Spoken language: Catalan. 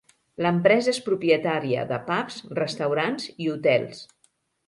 L'empresa és propietària de pubs, restaurants i hotels.